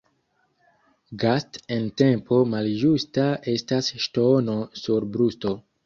Gast' en tempo malĝusta estas ŝtono sur brusto.